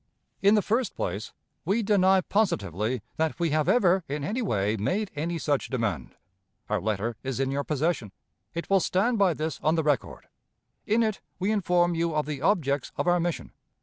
In the first place, we deny positively that we have ever, in any way, made any such demand. Our letter is in your possession; it will stand by this on the record. In it we inform you of the objects of our mission.